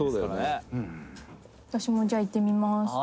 「私もじゃあいってみます」